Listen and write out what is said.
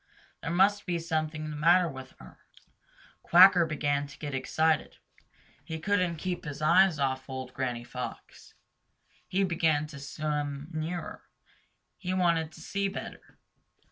There must be something the matter with her. Quacker began to get excited. He couldn't keep his eyes off Old Granny Fox. He began to swim nearer. He wanted to see better.